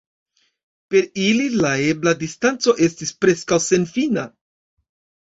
Per ili la ebla distanco estis preskaŭ senfina.